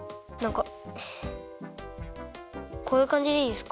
こういうかんじでいいですか？